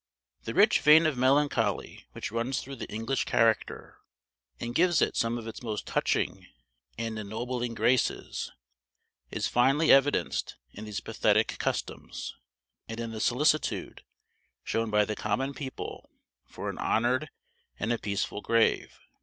The rich vein of melancholy which runs through the English character, and gives it some of its most touching and ennobling graces, is finely evidenced in these pathetic customs, and in the solicitude shown by the common people for an honored and a peaceful grave.